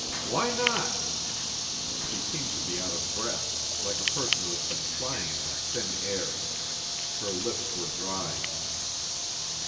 "Why not?" She seemed to be out of breath, like a person who has been climbing in thin air. Her lips were dry.